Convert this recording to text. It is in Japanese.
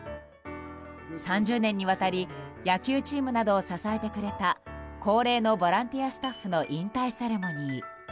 ３０年にわたり野球チームなどを支えてくれた高齢のボランティアスタッフの引退セレモニー。